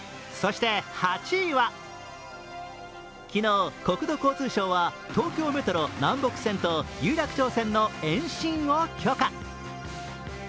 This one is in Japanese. そして８位は、昨日、国土交通省は東京メトロ南北線と有楽町線の延伸を許可。